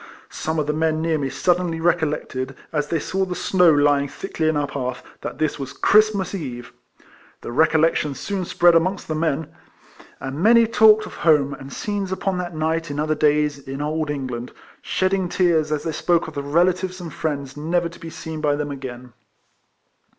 Some of the men near me suddenly recollected, as they saw the snow lying thickly in our path, that this was Christmas eve. The recollection soon spread amongst the men ; and many talked RIFLEMAN HARRIS. 161 of home, and scenes upon that night in other days, in Old England, shedding tears as they spoke of the relatives and friends never to be seen by them again.